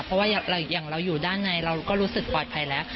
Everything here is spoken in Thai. เพราะว่าอย่างเราอยู่ด้านในเราก็รู้สึกปลอดภัยแล้ว